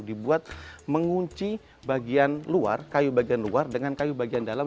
dibuat mengunci bagian luar kayu bagian luar dengan kayu bagian dalam